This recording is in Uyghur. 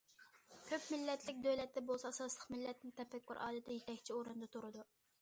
كۆپ مىللەتلىك دۆلەتتە بولسا ئاساسلىق مىللەتنىڭ تەپەككۇر ئادىتى يېتەكچى ئورۇندا تۇرىدۇ.